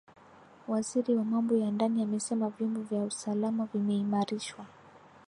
Waziri wa Mambo ya Ndani amesema vyombo vya usalama vimeimarishwa